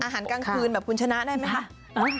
อาหารกลางคืนแบบคุณชนะได้ไหมคะ